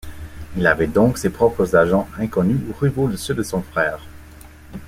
Il avait donc ses propres agents inconnus ou rivaux de ceux de son frère.